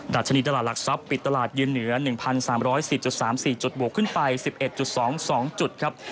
ชนีตลาดหลักทรัพย์ปิดตลาดยืนเหนือ๑๓๑๐๓๔จุดบวกขึ้นไป๑๑๒๒จุดครับ